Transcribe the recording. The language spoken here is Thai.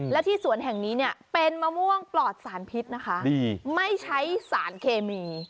และที่สวนแห่งนี้เนี่ยเป็นมะม่วงปลอดสารพิษนะคะไม่ใช้สารเคมี